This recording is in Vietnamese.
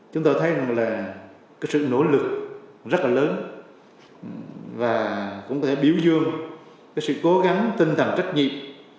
chúng tôi thấy là sự nỗ lực rất là lớn và cũng có thể biểu dương sự cố gắng tinh thần trách nhiệm